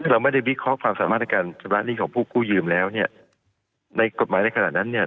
เราไม่ได้วิเคราะห์ความสามารถในการชำระหนี้ของผู้กู้ยืมแล้วเนี่ยในกฎหมายในขณะนั้นเนี่ย